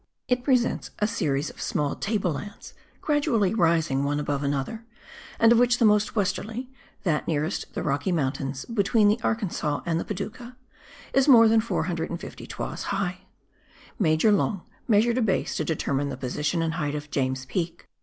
It presents a series of small table lands, gradually rising one above another, and of which the most westerly (that nearest the Rocky Mountains, between the Arkansas and the Padouca), is more than 450 toises high. Major Long measured a base to determine the position and height of James Peak.